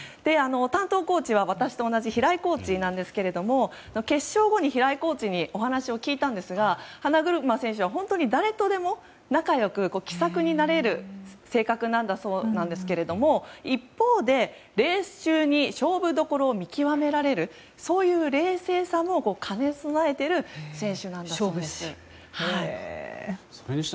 担当コーチは私と同じ平井コーチなんですが決勝後に平井コーチにお話を聞いたんですが花車選手は本当に誰とでも仲良く気さくになれる性格なんだそうですが一方で、レース中に勝負どころを見極められるそういう冷静さも兼ね備えている選手なんだと思います。